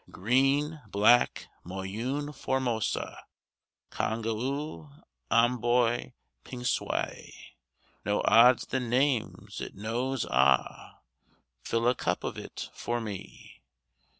Green, Black, Moyune, Formosa, Congou, Amboy, Pingsuey No odds the name it knows ah! Fill a cup of it for me!